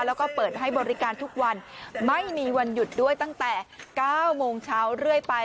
แล้วก็เปิดให้บริการทุกวันไม่มีวันหยุดด้วยตั้งแต่๙โมงเช้าเรื่อยไป